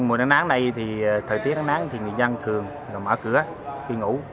mùa nắng nắng này thì thời tiết nắng nắng thì người dân thường mở cửa khi ngủ